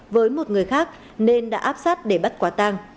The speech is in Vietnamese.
với một người khác nên đã áp sát để bắt quả tang